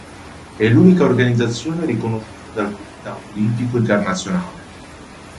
È l'unica organizzazione riconosciuta dal Comitato Olimpico Internazionale.